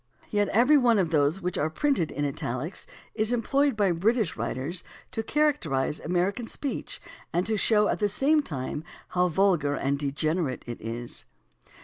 Yet every one of those which are printed in italics is em ployed by British writers to characterize American speech and to show at the same time how vulgar and degenerate it is.